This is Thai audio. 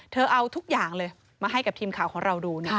เอาทุกอย่างเลยมาให้กับทีมข่าวของเราดู